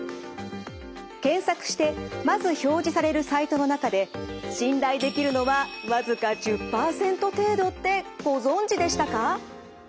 検索してまず表示されるサイトの中で信頼できるのは僅か１０％程度ってご存じでしたか？